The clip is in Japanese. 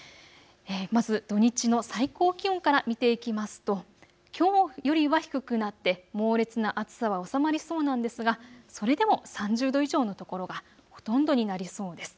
まず土日の最高気温から見ていきますと、きょうよりは低くなって猛烈な暑さは収まりそうなんですがそれでも３０度以上の所がほとんどになりそうです。